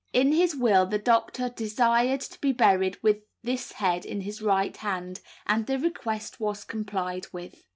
In his will the doctor desired to be buried with this head in his right hand, and the request was complied with.